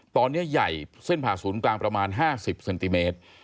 ตอนนี้ใหญ่เส้นผ่าศูนย์กลางประมาณ๕๐เซนติเมตร